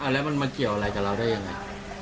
แล้วมันมาเกี่ยวอะไรกับเราได้ยังไง